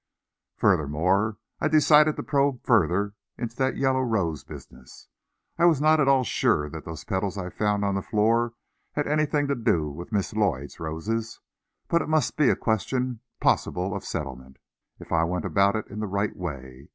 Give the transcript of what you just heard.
Furthermore I decided to probe further into that yellow rose business. I was not at all sure that those petals I found on the floor had anything to do with Miss Lloyd's roses, but it must be a question possible of settlement, if I went about it in the right way.